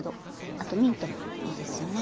あとミントもいいですよね。